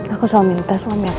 aku selalu minta suami aku